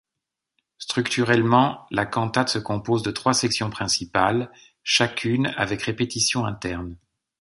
Structurellement, la cantate se compose de trois sections principales, chacune avec répétition interne.